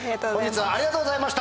ありがとうございます。